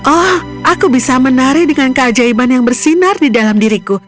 oh aku bisa menari dengan keajaiban yang bersinar di dalam diriku